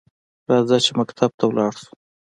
راځه چې مکتب ته لاړشوو؟